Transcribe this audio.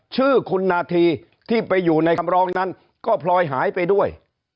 ชื่อคุณนาธีที่ไปอยู่ในคำร้องนั้นก็พลอยหายไปด้วย